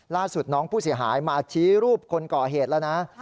ล่าสุดน้องผู้เสียหายมาชี้รูปคนก่อเหตุแล้วนะ